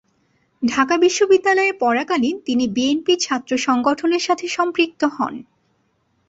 ঢাকা বিশ্ববিদ্যালয়ে পড়াকালীন তিনি বিএনপি ছাত্র সংগঠনের সাথে সম্পৃক্ত হন।